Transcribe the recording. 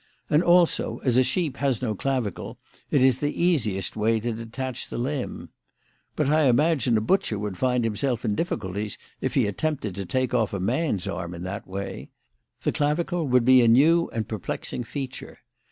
And also, as a sheep has no clavicle, it is the easiest way to detach the limb. But I imagine a butcher would find himself in difficulties if he attempted to take off a man's arm in that way. The clavicle would be a new and perplexing feature.